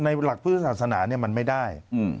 ในหลักพุทธศาสนาเนี่ยมันไม่ได้